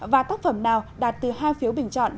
và tác phẩm nào đạt từ hai phiếu bình chọn